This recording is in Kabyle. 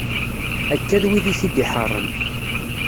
Akka d wid i t-id-iḥeṛṛen.